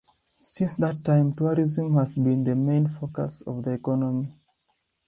Since that time tourism has been the main focus of the economy.